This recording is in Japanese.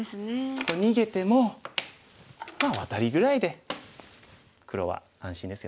逃げてもまあワタリぐらいで黒は安心ですよね。